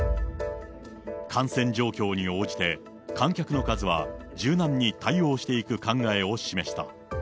感染状況に応じて、観客の数は柔軟に対応していく考えを示した。